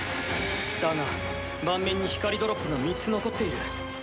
だが盤面に光ドロップが３つ残っている。